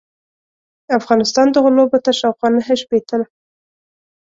افغانستان دغو لوبو ته شاوخوا نهه شپیته ل